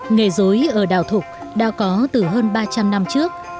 nghề dối ở đảo thục đã có từ hơn ba trăm linh năm trước